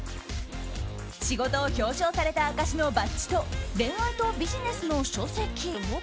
仕事を表彰された証しのバッジと恋愛とビジネスの書籍。